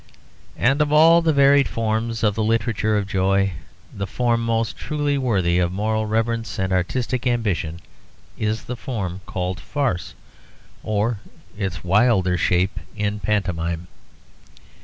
And of all the varied forms of the literature of joy, the form most truly worthy of moral reverence and artistic ambition is the form called 'farce' or its wilder shape in pantomime.